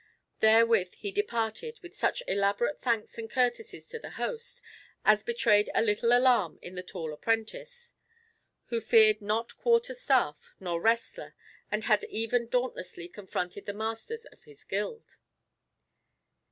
Therewith he departed, with such elaborate thanks and courtesies to the host, as betrayed a little alarm in the tall apprentice, who feared not quarter staff, nor wrestler, and had even dauntlessly confronted the masters of his guild!